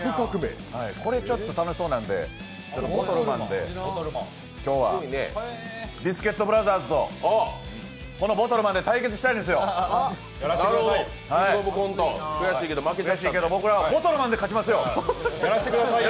これちょっと楽しそうなんでボトルマンで今日はビスケットブラザーズとこのボトルマンで対決したいんですよ、やらせてください！